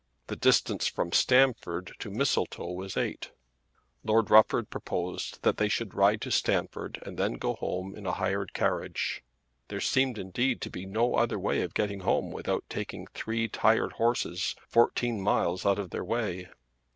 The distance from Stamford to Mistletoe was eight. Lord Rufford proposed that they should ride to Stamford and then go home in a hired carriage. There seemed indeed to be no other way of getting home without taking three tired horses fourteen miles out of their way.